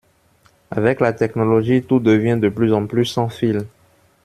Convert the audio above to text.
Avec la technologie tout devient de plus en plus sans fil.